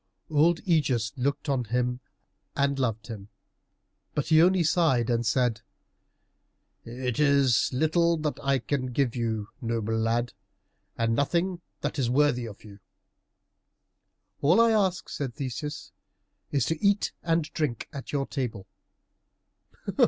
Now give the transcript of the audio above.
Old Ægeus looked on him and loved him, but he only sighed and said, "It is little that I can give you, noble lad, and nothing that is worthy of you." "All I ask," said Theseus, "is to eat and drink at your table."